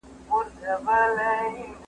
جزيه د زکات په ځای ورکول کيږي.